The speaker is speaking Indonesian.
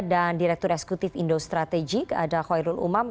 dan direktur eksekutif indo strategik ada khairul umam